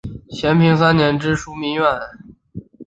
咸平三年知枢密院事。